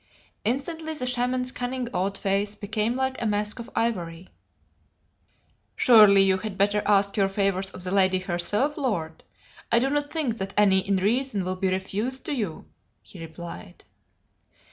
Instantly the Shaman's cunning old face became like a mask of ivory. "Surely you had better ask your favours of the lady herself, lord; I do not think that any in reason will be refused to you," he replied.